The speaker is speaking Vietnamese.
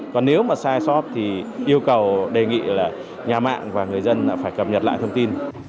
còn nếu mà sai sót thì yêu cầu đề nghị là nhà mạng và người dân phải cập nhật lại thông tin